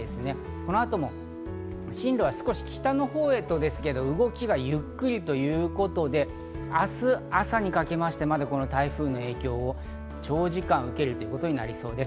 この後も進路は少し、北のほうへと動きがゆっくりということで明日朝にかけまして台風の影響を長時間受けることになりそうです。